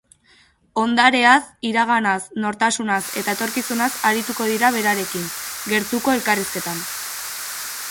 Ondareaz, iraganaz, nortasunaz eta etorkizunaz arituko dira berarekin, gertuko elkarrizketan.